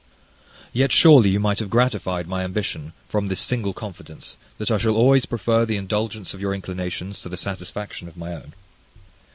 Yet surely you might have gratified my ambition, from this single confidence, that I shall always prefer the indulgence of your inclinations to the satisfaction of my own.